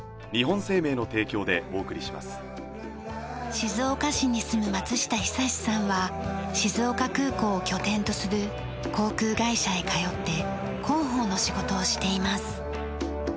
静岡市に住む松下壽さんは静岡空港を拠点とする航空会社へ通って広報の仕事をしています。